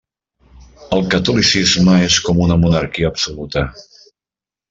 El catolicisme és com una monarquia absoluta.